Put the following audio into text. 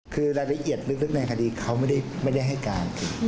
คือรายละเอียดลึกในคดีเขาไม่ได้ให้การ